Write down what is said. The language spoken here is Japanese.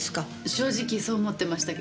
正直そう思ってましたけど。